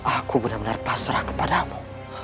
aku benar benar pasrah kepadamu